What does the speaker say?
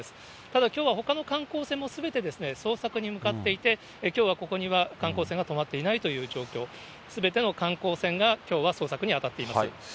ただきょうはほかの観光船もすべて捜索に向かっていて、きょうはここには観光船が止まっていないという状況、すべての観光船が、きょうは捜索に当たっています。